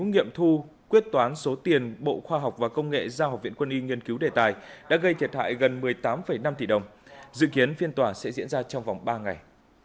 nhiệm thu quyết toán số tiền bộ khoa học và công nghệ giao học viện quân y nghiên cứu đề tài đã gây thiệt hại gần một mươi tám năm tỷ đồng dự kiến phiên tòa sẽ diễn ra trong vòng ba ngày